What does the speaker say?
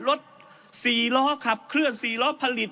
รถ๔ล้อขับเคลื่อน๔ล้อผลิต